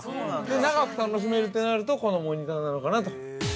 長く楽しめるとなるとこのモニターなのかなと。